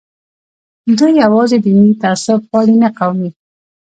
دوی یوازې دیني تعصب پالي نه قومي.